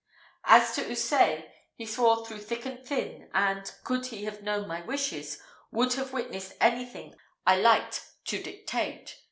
As to Houssaye, he swore through thick and thin, and, could he have known my wishes, would have witnessed anything I liked to dictate.